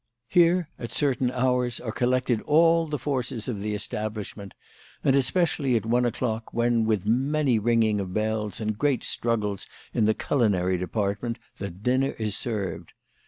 Here, at certain hours, are collected all the forces of the 6 WHY FRAU FROHMANN RAISED HER PRICES. establishment, and especially at one o'clock, when, with many ringing of bells and great struggles in the culinary department, the dinner is served.